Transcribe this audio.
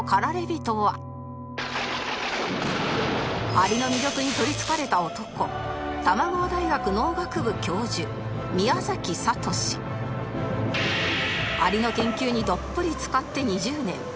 アリの魅力にとりつかれた男アリの研究にどっぷり漬かって２０年